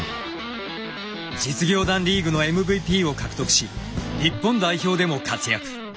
実業団リーグのＭＶＰを獲得し日本代表でも活躍。